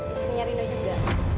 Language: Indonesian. istrinya rino juga